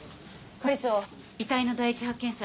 係長遺体の第一発見者